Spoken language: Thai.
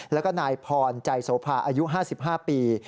แล้วก็นายพรใจโสภาอายุ๕๕ปี